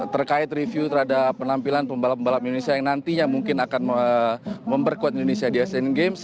terkait review terhadap penampilan pembalap pembalap indonesia yang nantinya mungkin akan memperkuat indonesia di asean games